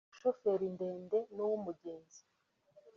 uwashoferi ndetse n’uwumugenzi